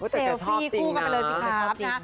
เซลฟี่คู่กันไปเลยสิครับนะ